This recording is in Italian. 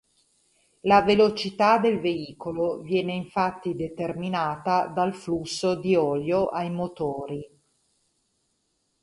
La velocità del veicolo viene infatti determinata dal flusso di olio ai motori.